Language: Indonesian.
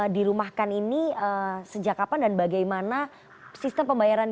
dirumahkan ini sejak kapan dan bagaimana sistem pembayaran